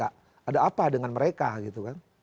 ada apa dengan mereka gitu kan